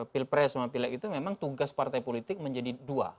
pilpres sama pilek itu memang tugas partai politik menjadi dua